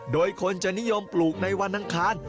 โดยคนจะนิยมปลูกในวันอังคาร